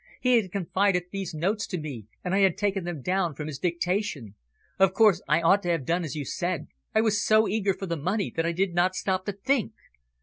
He had confided these notes to me, and I had taken them down from his dictation. Of course, I ought to have done as you said. I was so eager for the money that I did not stop to think."